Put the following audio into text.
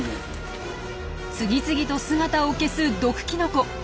次々と姿を消す毒キノコ。